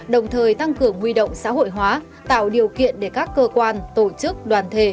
đồng thời tăng cường huy động xã hội hóa tạo điều kiện để các cơ quan tổ chức đoàn thể